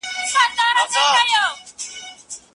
که علم په پښتو وي، نو د پوهې رڼا تل تازه پاتې کیږي.